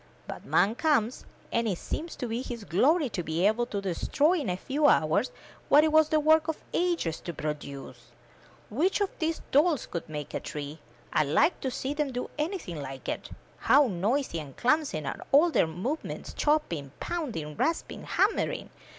But man comes, and it seems to be his glory to be able to destroy in a few hours what it was the work of ages to produce. Which of these dolts could make a tree? I'd like to see them do anything like it. How noisy and clumsy are all their movements — chopping, pounding, rasping, hammering!